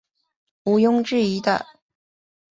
无庸置疑的